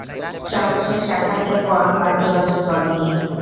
সর্বশেষ সাক্ষাতের পর আর যোগাযোগ করোনি।